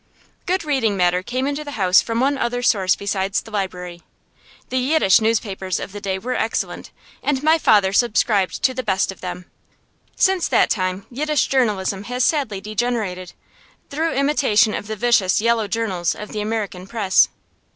Good reading matter came into the house from one other source besides the library. The Yiddish newspapers of the day were excellent, and my father subscribed to the best of them. Since that time Yiddish journalism has sadly degenerated, through imitation of the vicious "yellow journals" of the American press.